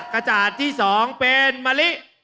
กระจาดที่๒เป็นมะลิ